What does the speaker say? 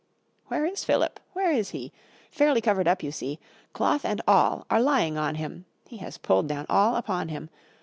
Where is Philip, where is he? Fairly covered up you see! Cloth and all are lying on him; He has pulled down all upon him.